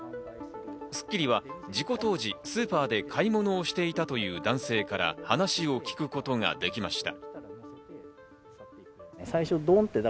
『スッキリ』は事故当時、スーパーで買い物をしていたという男性から話を聞くことができました。